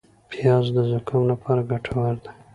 پیاز د زکام لپاره ګټور دي